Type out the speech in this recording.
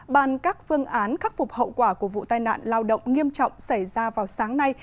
bàn các phương án khắc phục hậu quả của vụ tai nạn lao động nghiêm trọng xảy ra vào sáng nay